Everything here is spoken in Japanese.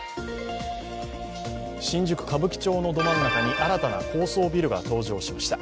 新宿・歌舞伎町のど真ん中に新たな高層ビルが登場しました。